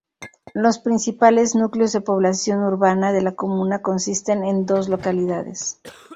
Los principales núcleos de población urbana de la comuna consisten en dos localidades.